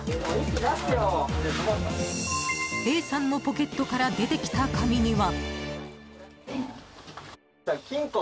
Ａさんのポケットから出てきた紙には。